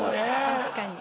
確かに。